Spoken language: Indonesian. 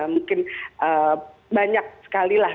mungkin banyak sekali lah